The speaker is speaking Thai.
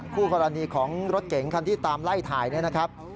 คู่กรณีของรถเก๋งคันที่ตามไล่ถ่ายเนี่ยนะครับ